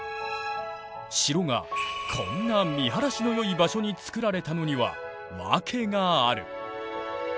城がこんな見晴らしのよい場所に造られたのには訳がある。